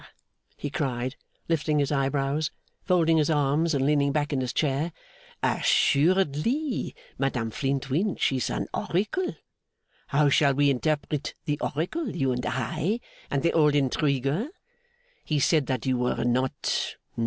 he cried, lifting his eyebrows, folding his arms, and leaning back in his chair. 'Assuredly, Madame Flintwinch is an oracle! How shall we interpret the oracle, you and I and the old intriguer? He said that you were not